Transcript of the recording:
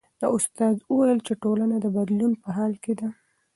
استاد وویل چې ټولنه د بدلون په حال کې ده.